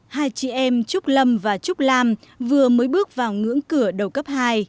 hai chị em trúc lâm và trúc lam vừa mới bước vào ngưỡng cửa đầu cấp hai